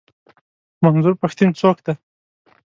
منظور پښتين څوک دی؟